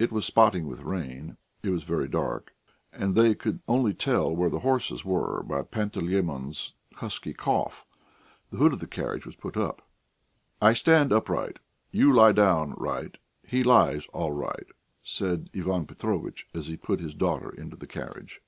It was spotting with rain; it was very dark, and they could only tell where the horses were by Panteleimon's husky cough. The hood of the carriage was put up. "I stand upright; you lie down right; he lies all right," said Ivan Petrovitch as he put his daughter into the carriage.